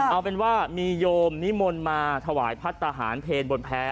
เอาเป็นว่ามีโยมมิมลมาถวายพระทหารเพลงบนแพร่